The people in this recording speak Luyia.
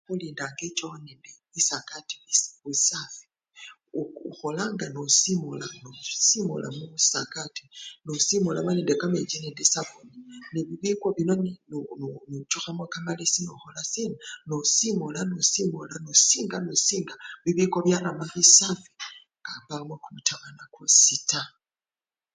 Khulindanga echoo nende bisakati nga bisafi, uu! uu! okholanga nosimula nosimula mubisakati nosimula nende kamechi nende esapuni nebibiko bino nu!nu! nuchukhamo kamalesi nokholasina nosinula nosimula nosinga nosinga bibiko byarama bisafi nga mbawo kumutawana kwosi taa.